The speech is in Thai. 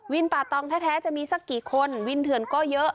ป่าตองแท้จะมีสักกี่คนวินเถื่อนก็เยอะ